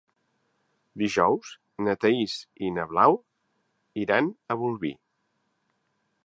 Dijous na Thaís i na Blau iran a Bolvir.